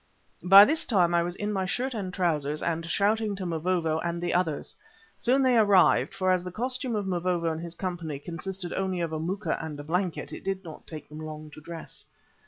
By this time I was in my shirt and trousers and shouting to Mavovo and the others. Soon they arrived, for as the costume of Mavovo and his company consisted only of a moocha and a blanket, it did not take them long to dress.